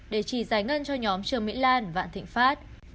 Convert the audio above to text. để chỉ giải ngân cho nhóm trương mỹ lan vạn thịnh pháp